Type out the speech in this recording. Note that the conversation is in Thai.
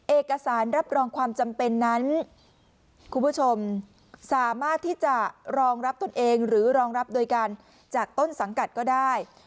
เอกสารรับรองความจำเป็นนั้นคุณผู้ชมสามารถที่จะรองรับตนเองหรือรองรับโดยการจากต้นสังกัดก็ได้